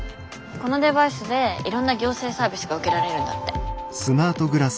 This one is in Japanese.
このデバイスでいろんな行政サービスが受けられるんだって。